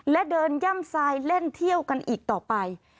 และเดินย่ำทรายเล่นเที่ยวกันอีกต่อไป